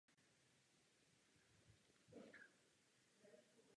Byl zvolen za okrsek.